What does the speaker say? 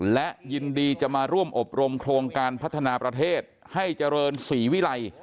และยินดีจะมาร่วมอบรมโครงการพัฒนาประเทศให้เจริญศรีวิรัย